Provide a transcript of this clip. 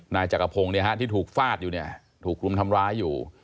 นายจักรพงศ์ที่ถูกฟาดอยู่เนี่ยถูกรุมทำร้ายอยู่